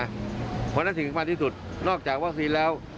เพราะฉะนั้นสิ่งสำคัญที่สุดนอกจากวัคซีนแล้ว